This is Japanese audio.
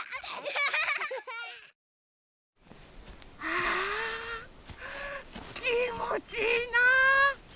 あきもちいいな。